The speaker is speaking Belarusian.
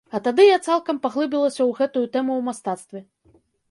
А тады я цалкам паглыбілася ў гэтую тэму ў мастацтве.